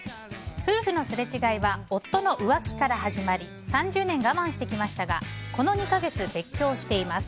夫婦のすれ違いは夫の浮気から始まり３０年我慢してきましたがこの２か月、別居をしています。